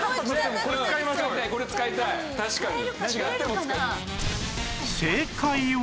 確かに。